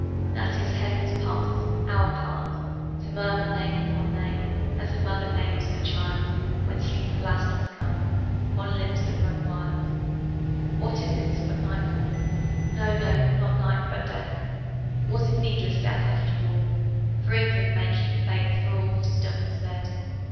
That is heaven's part, our part To murmur name upon name, As a mother names her child When sleep at last has come On limbs that had run wild. What is it but nightfall? No, no, not night but death; Was it needless death after all? For England may keep faith For all that is done and said.